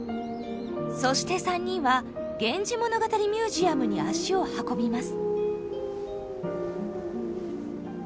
そして３人は源氏物語ミュージアムに足を運びます。